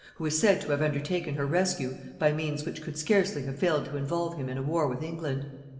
who is said to have undertaken her rescue by means which could scarcely have failed to involve him in a war with England.